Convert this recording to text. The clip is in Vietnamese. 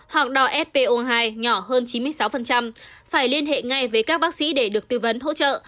hoặc đòi fpo hai nhỏ hơn chín mươi sáu phải liên hệ ngay với các bác sĩ để được tư vấn hỗ trợ